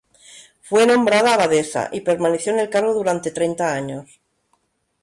Fue nombrada abadesa y permaneció en el cargo durante treinta años.